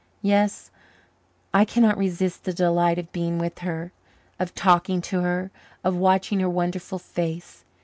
Yet I cannot resist the delight of being with her, of talking to her, of watching her wonderful face.